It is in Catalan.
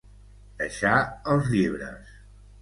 Deixar els llibres.